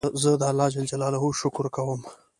زه د الله جل جلاله شکر کوم.